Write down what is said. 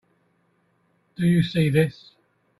Do you see this?